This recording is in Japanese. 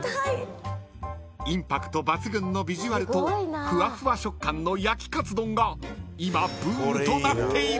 ［インパクト抜群のビジュアルとふわふわ食感の焼きカツ丼が今ブームとなっている］